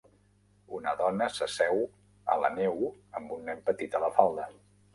Una dona s'asseu a la neu amb un nen petit a la falda.